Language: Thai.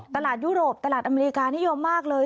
ยุโรปตลาดอเมริกานิยมมากเลย